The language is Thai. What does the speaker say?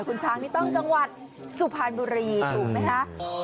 คุณช้างนี่ต้องจังหวัดสุพรรณบุรีถูกไหมคะ